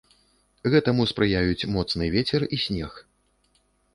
Гэтаму спрыяюць моцны вецер і снег.